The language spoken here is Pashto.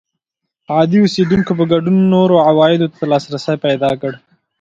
عادي اوسېدونکو په ګډون نورو عوایدو ته لاسرسی پیدا کړ